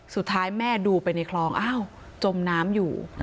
สุดท้ายแม่ดูไปในคลองอ้าวจมน้ำอยู่